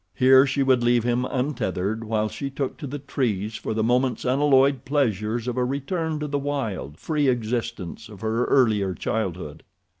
Here she would leave him untethered while she took to the trees for the moment's unalloyed pleasures of a return to the wild, free existence of her earlier childhood.